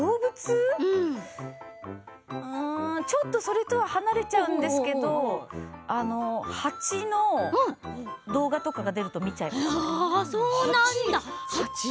ちょっとそれとは離れちゃうんですけれど蜂の動画とか出ると見ちゃいます。